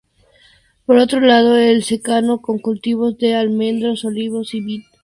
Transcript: Por otro lado, el secano, con cultivos de almendros, olivos y vid.